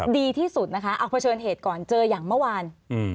ดีที่สุดนะคะเอาเผชิญเหตุก่อนเจออย่างเมื่อวาน